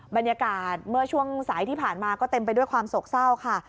บรรยากาศเมื่อช่วงสายที่ผ่านมาก็เต็มไปด้วยความโศกเศร้าค่ะ